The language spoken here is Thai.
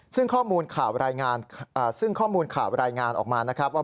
ซึ่งข้อมูลข่าวรายงานออกมาว่า